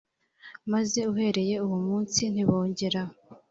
Maze uhereye uwo munsi ntibongera